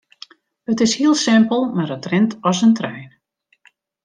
It is hiel simpel mar it rint as in trein.